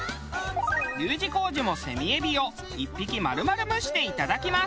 Ｕ字工事もセミエビを１匹丸々蒸していただきます。